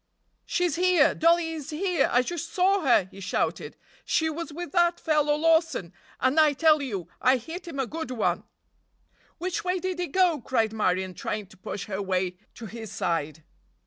"She's here! Dollie is here! I just saw her!" he shouted. "She was with that fellow Lawson, and, I tell you, I hit him a good one!" "Which way did they go?" cried Marion, trying to push her way to his side.